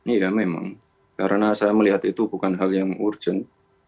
iya memang karena saya melihat itu bukan hal yang urgent